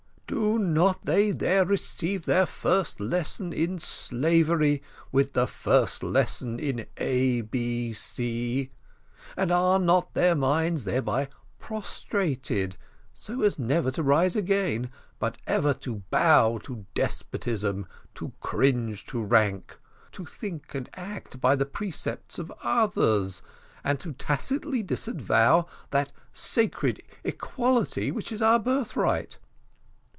Do not they there receive their first lesson in slavery with the first lesson in A B C; and are not their minds thereby prostrated, so as never to rise again, but ever to bow to despotism, to cringe to rank, to think and act by the precepts of others, and to tacitly disavow that sacred equality which is our birthright?